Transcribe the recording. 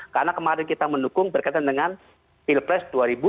karena kemarin kita mendukung berkaitan dengan pilpres dua ribu sembilan belas